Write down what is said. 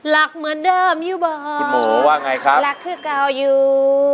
รักเหมือนเดิมอยู่บ้างรักคือเก่าอยู่